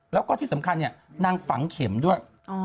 แล้วก็ที่สำคัญเนี่ยนางฝังเข็มด้วย